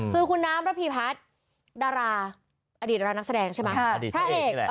คือคุณน้ำระผีพัดดาราอดีตดารานักแสดงใช่ไหม